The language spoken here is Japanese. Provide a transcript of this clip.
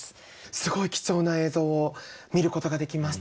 すごい貴重な映像を見ることができました。